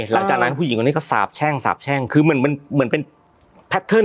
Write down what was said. หลังจากนั้นผู้หญิงกันนี้ก็สาบแช่งสาบแช่งคือมันมันมันเป็น